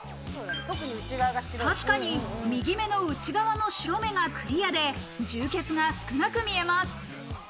確かに右目の内側の白目がクリアで、充血が少なく見えます。